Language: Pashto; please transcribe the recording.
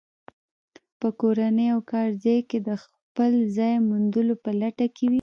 په کورنۍ او کارځای کې د خپل ځای موندلو په لټه کې وي.